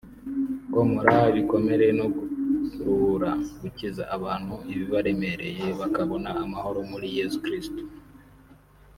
komora ibikomere no kuruhura (gukiza) abantu ibibaremereye bakabona amahoro muri Yesu Kristo